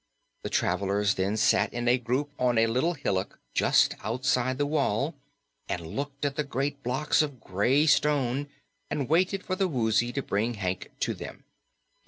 The travelers then sat in a group on a little hillock just outside the wall and looked at the great blocks of gray stone and waited for the Woozy to bring Hank to them.